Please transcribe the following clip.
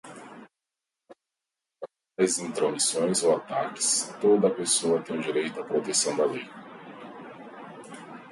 Contra tais intromissões ou ataques toda a pessoa tem direito a protecção da lei.